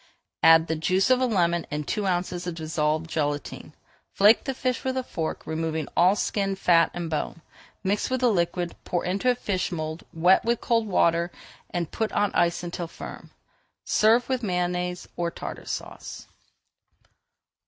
Add the juice of a lemon and two ounces of dissolved gelatine. Flake the fish with a fork, removing all skin, fat, and bone, mix with the liquid, pour into a fish mould, wet with cold water, and put on ice until firm. Serve with Mayonnaise or Tartar Sauce.